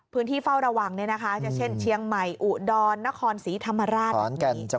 พื้นที่เฝ้าระวังเนี่ยนะคะเช่นเชียงใหม่อุดรนครสีธรรมราช